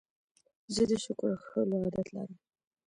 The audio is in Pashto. زه د شکر کښلو عادت لرم.